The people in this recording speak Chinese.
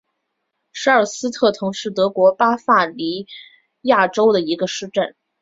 舍尔斯特滕是德国巴伐利亚州的一个市镇。